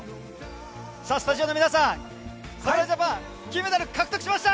スタジオの皆さん、侍ジャパン、金メダル獲得しました！